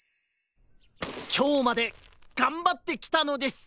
きょうまでがんばってきたのです！